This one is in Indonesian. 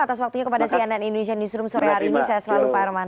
atas waktunya kepada cnn indonesia newsroom sore hari ini saya selalu pak arman